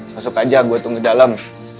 masuk aja gua tunggu ke dalam